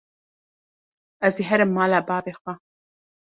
Ez ê herim mala bavê xwe.